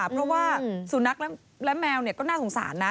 เพราะว่าสุนัขและแมวก็น่าสงสารนะ